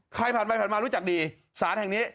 ใครผ่านไปผ่านมารู้จักดีสารแห่งนี้